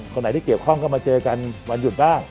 คนไหนที่เกี่ยวข้องก็มาเจอกันวันหยุดบ้าง